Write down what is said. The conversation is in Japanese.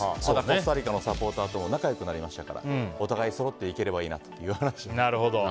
コスタリカのサポーターとも仲良くなりましたからお互いにそろっていければいいなと。